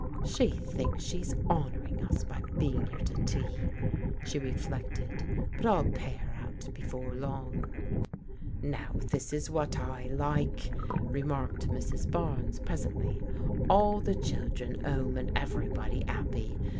" She thinks she's honouring us by being here to tea/' she reflected, " but I'll pay her out before long." "Now this is what I like," remarked Mrs. Barnes presently. " All the children 'ome and everybody 'appy.